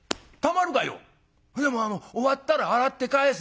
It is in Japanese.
「でもあの終わったら洗って返す」。